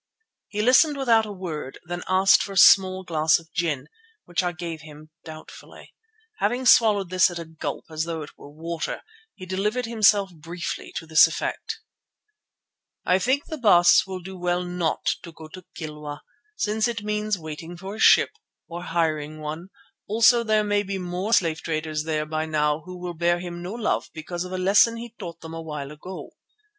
He listened without a word, then asked for a small glass of gin, which I gave him doubtfully. Having swallowed this at a gulp as though it were water, he delivered himself briefly to this effect: "I think the Baas will do well not to go to Kilwa, since it means waiting for a ship, or hiring one; also there may be more slave traders there by now who will bear him no love because of a lesson he taught them a while ago.